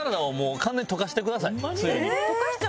完全に溶かしてください。